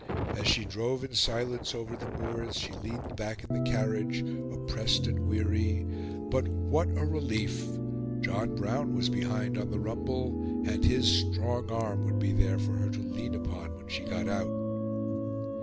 As she drove in silence over the moors she leaned back in the carriage, oppressed and weary; but what a relief John Brown was behind on the rumble, and his strong arm would be there for her to lean upon when she got out.